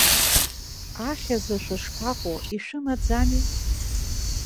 Ахьазы шәышԥаҟоу, ишәымаӡами?